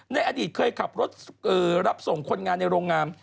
ในอดีตเคยขับรถรับส่งคนงานในโรงงาน